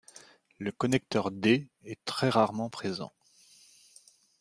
Le connecteur D est très rarement présent.